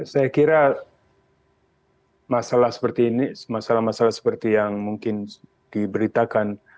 saya kira masalah seperti ini masalah masalah seperti yang mungkin diberitakan